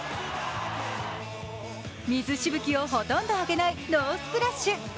水しぶきをほとんど上げないノースプラッシュ。